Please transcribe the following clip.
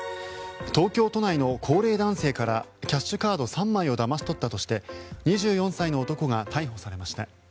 東京都内の高齢男性からキャッシュカード３枚をだまし取ったとして２４歳の男が逮捕されました。